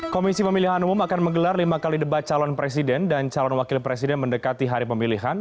komisi pemilihan umum akan menggelar lima kali debat calon presiden dan calon wakil presiden mendekati hari pemilihan